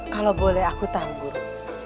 kalau boleh aku tahu guru